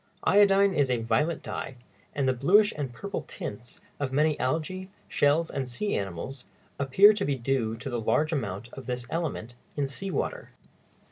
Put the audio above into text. Iodine is a violet dye, and the bluish and purple tints of many algæ, shells, and sea animals appear to be due to the large amount of this element in sea water.